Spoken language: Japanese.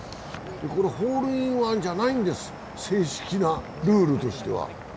これ、ホールインワンじゃないんです正式なルールとしては。